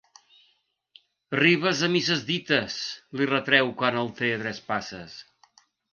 Arribes a misses dites, li retreu quan el té a tres passes.